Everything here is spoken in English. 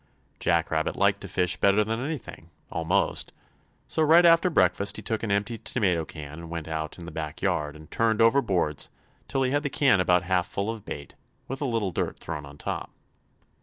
Jack Rabbit liked to fish better than anything, almost, so right after breakfast he took an empty tomato can and went out in the back yard and turned over boards till he had the can about half full of bait, with a little dirt thrown on top.